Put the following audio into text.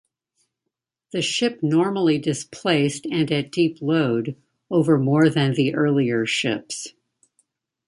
The ship normally displaced and at deep load, over more than the earlier ships.